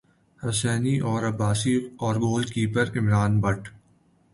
حسینی نے عباسی اور goalkeeper Imran but